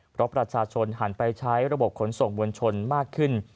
เพราะประชาชนหันไปใช้ระบบขนส่งมวลชนมากขึ้น